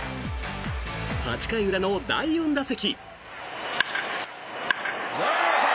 ８回裏の第４打席。